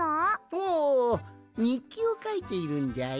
おおにっきをかいているんじゃよ。